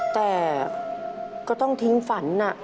แต่ก็ต้องทิ้งฝัน